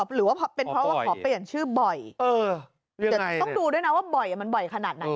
หรือว่าเป็นเพราะว่าขอเปลี่ยนชื่อบ่อยเดี๋ยวต้องดูด้วยนะว่าบ่อยมันบ่อยขนาดไหน